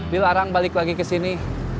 dilarang balik lagi kesini